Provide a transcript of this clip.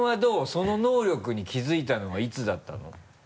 その能力に気づいたのはいつだったの？